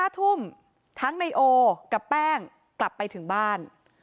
๕ทุ่มทั้งในโอกับแป้งกลับไปถึงบ้าน